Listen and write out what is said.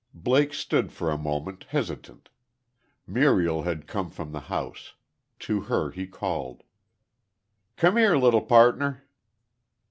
Blake stood for a moment, hesitant. Muriel had come from the house. To her he called. "Come here, little partner."